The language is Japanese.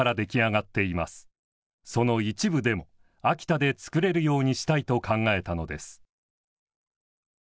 その一部でも秋田で作れるようにしたいと考えたのです。